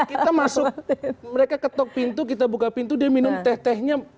kita masuk mereka ketok pintu kita buka pintu dia minum teh tehnya